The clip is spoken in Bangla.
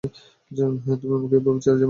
তুমি আমাকে এভাবে ছেড়ে যাবে না।